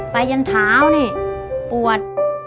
ไปเย็นเท้านี่ปวด